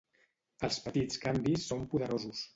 Els petits canvis són poderosos.